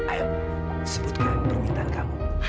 ayo sebutkan permintaan kamu